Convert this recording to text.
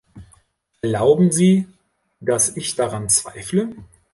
Erlauben Sie, dass ich daran zweifle.